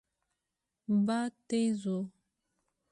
باد تېز و.